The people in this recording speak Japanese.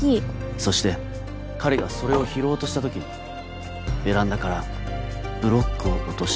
そして彼がそれを拾おうとした時ベランダからブロックを落とした。